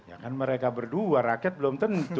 ya kan mereka berdua rakyat belum tentu